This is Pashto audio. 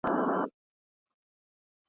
دا کشف د رنګ پېژندنې ناروغانو لپاره ګټور دی.